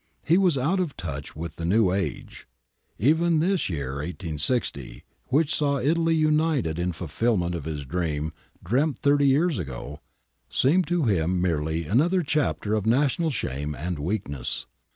He was out of touch with the new age. Even this year i860, which saw Italy united in fulfilment of his dream dreamt thirty years ago, seemed to him merely another chapter of national shame and weakness.